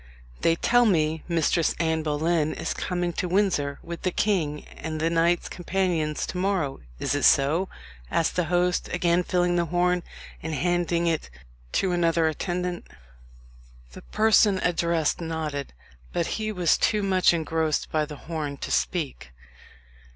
"They tell me Mistress Anne Boleyn is coming to Windsor with the king and the knights companions to morrow is it so?" asked the host, again filling the horn, and handing it to another attendant. The person addressed nodded, but he was too much engrossed by the horn to speak.